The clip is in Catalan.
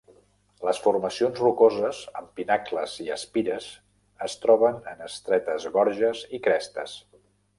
Les formacions rocoses amb pinacles i espires es troben en estretes gorges i crestes.